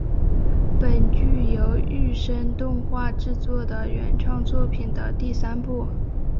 本剧由日升动画制作的原创作品的第三部。